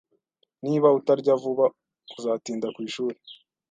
Niba utarya vuba, uzatinda kwishuri.